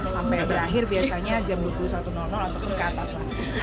sampai berakhir biasanya jam dua puluh satu ataupun ke atas lah